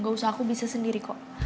gak usah aku bisa sendiri kok